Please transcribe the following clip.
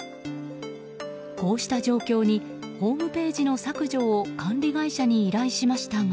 こうした状況にホームページの削除を管理会社に依頼しましたが。